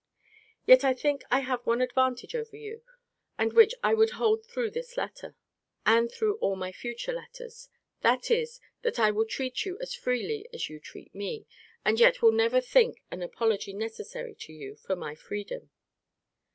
Yet, I think I have one advantage over you; and which I will hold through this letter, and through all my future letters; that is, that I will treat you as freely as you treat me; and yet will never think an apology necessary to you for my freedom.